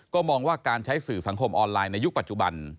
ก็มองว่าการใช้สื่อสังคมออนไลน์ในยุคปัจจุบัน